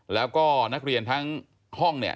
แล้วก็นักเรียนทั้งห้องเนี่ย